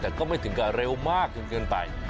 แต่ก็ไม่ถึงกับเร็วมากจนเกินไป